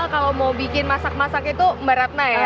kalau mau bikin masak masak itu mbak ratna ya